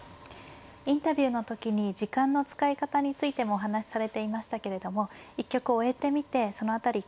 インタビューの時に時間の使い方についてもお話しされていましたけれども一局終えてみてその辺りいかがですか。